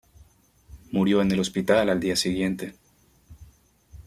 Murió en el hospital al día siguiente.